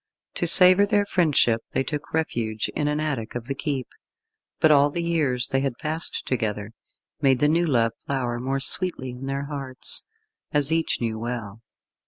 To savour their friendship they took refuge in an attic of the keep, but all the years they had passed together, made the new love flower more sweetly in their hearts, as each knew well.